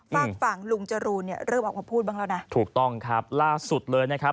ฝากฝั่งลุงจรูนเนี่ยเริ่มออกมาพูดบ้างแล้วนะถูกต้องครับล่าสุดเลยนะครับ